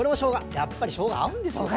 やっぱりしょうが合うんですよ。